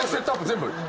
全部。